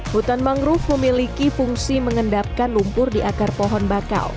hutan mangrove memiliki fungsi mengendapkan lumpur di akar pohon bakau